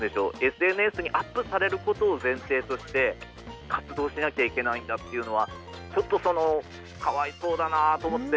ＳＮＳにアップされることを前提として活動しなきゃいけないんだっていうのはちょっとそのかわいそうだなあと思って。